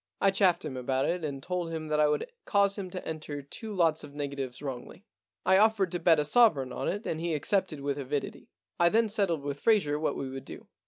I chaffed him about it and told him that I would cause him to enter two lots of negatives wrongly. I offered to bet a sovereign on it and he accepted with avidity. I then settled with Fraser what we would do.